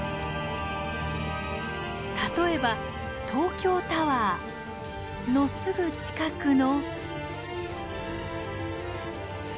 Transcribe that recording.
例えば東京タワーのすぐ近くの。